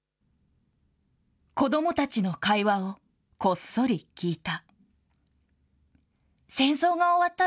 子どもたちの会話をこっそり聞いた。